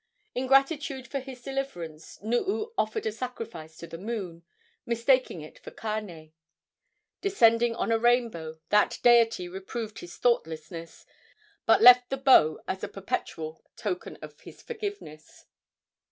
In gratitude for his deliverance Nuu offered a sacrifice to the moon, mistaking it for Kane. Descending on a rainbow, that deity reproved his thoughtlessness, but left the bow as a perpetual token of his forgiveness.